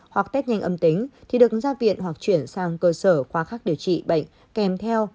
hoặc test nhanh âm tính thì được ra viện hoặc chuyển sang cơ sở khoa khác điều trị bệnh kèm theo